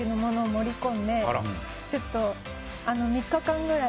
ちょっと。